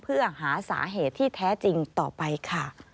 เพื่อหาสาเหตุที่แท้จริงต่อไปค่ะ